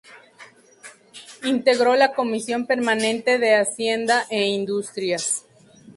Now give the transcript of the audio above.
Integró la Comisión permanente de Hacienda e Industrias.